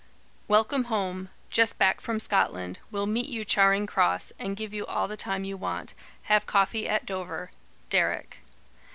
"Welcome home. Just back from Scotland. Will meet you Charing Cross, and give you all the time you want. Have coffee at Dover. DERYCK."